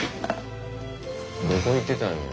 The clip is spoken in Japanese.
どこ行ってたんや？